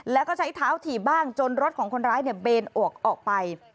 แล้วก็ใช้เท้าถีบบ้างจนรถของคนร้ายเบนออกไป